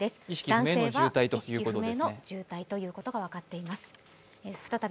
男性は意識不明の重体ということが分かっています。